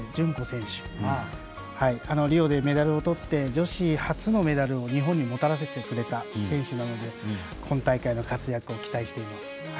リオでメダルをとって女子初のメダルを日本にもたらしてくれた選手なので、今大会の活躍も期待しています。